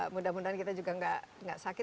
mudah mudahan kita juga tidak sakit